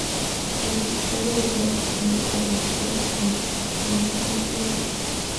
La subsistencia depende principalmente de la agricultura itinerante y de la pesca.